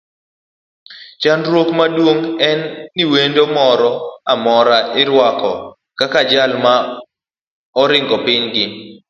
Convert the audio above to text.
Chandruok maduong en ni wendo moro amora iruako kaka jal ma oringo piny gi.